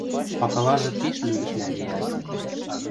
Пакылажы пиш лӱдӹшлӓ лиӓлтӹ...